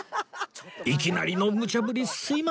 いきなりのむちゃぶりすいません！